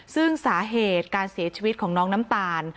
ซึ่งสาเหตุการเสียชีวิตของน้องน้ำตาล